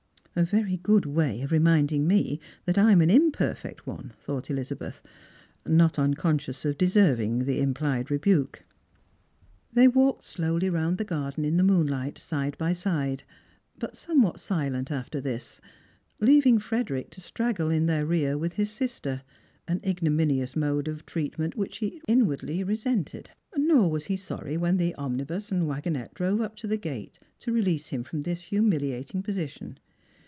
" A very good way of reminding me that I'm an imperfect one," thought Elizabeth, not unconscious of deserving the im plied rebuke. They walked slowly round the garden in the moonlight, side by side, but somewhat silent after this, leaving Frederick to straggle in their rear with his sister, an ignominious mode of /reatment which he inwardly resented. Nor was he sorry when the omnibus and wagonette drove up to the gate to release him from this humiliating position.